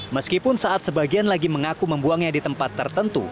meskipun saat sebagian lagi mengaku membuangnya di tempat tertentu